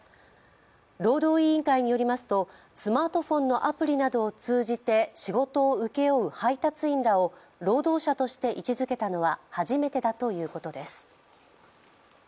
労働委員会によりますと、スマートフォンのアプリなどを通じて仕事を請け負う配達員らを労働者として位置づけたのは初めてだということです。